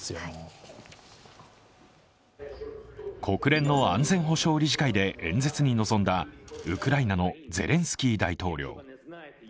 国連の安全保障理事会で演説に臨んだウクライナのゼレンスキー大統領。